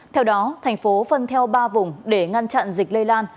theo đó thành phố phân theo ba vùng để ngăn chặn dịch lây lan